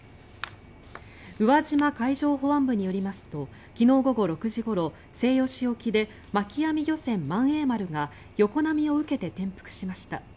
宇和島海上保安部によりますと昨日午後６時ごろ西予市沖で巻き網漁船「萬栄丸」が横波を受けて転覆しました。